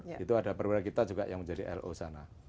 di situ ada perwira kita juga yang menjadi lo sana